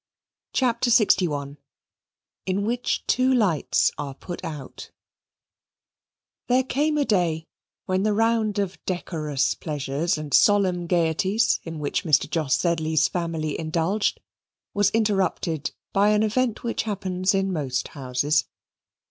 CHAPTER LXI In Which Two Lights are Put Out There came a day when the round of decorous pleasures and solemn gaieties in which Mr. Jos Sedley's family indulged was interrupted by an event which happens in most houses.